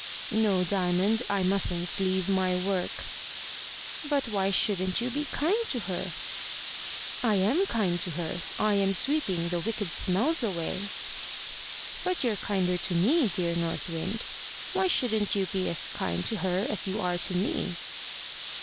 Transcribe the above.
"No, Diamond; I mustn't leave my work." "But why shouldn't you be kind to her?" "I am kind to her. I am sweeping the wicked smells away." "But you're kinder to me, dear North Wind. Why shouldn't you be as kind to her as you are to me?"